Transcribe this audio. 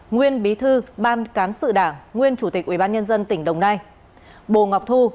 nguyên bí thư ban cán sự đảng nguyên chủ tịch ubnd tỉnh đồng nai bồ ngọc thu